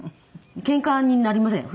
けんかになりません